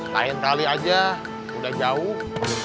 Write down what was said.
lain tali aja udah jauh